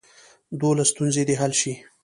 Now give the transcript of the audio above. د ولس ستونزې دې حل شي.